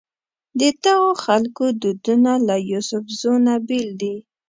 ددغو خلکو دودونه له یوسفزو نه بېل دي.